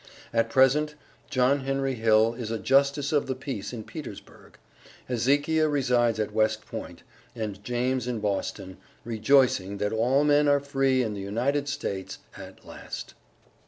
At present, John Henry Hill is a justice of the peace in Petersburg. Hezekiah resides at West Point, and James in Boston, rejoicing that all men are free in the United States, at last.